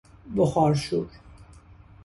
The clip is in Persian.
بخار شور